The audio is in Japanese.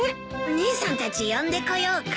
姉さんたち呼んでこようか？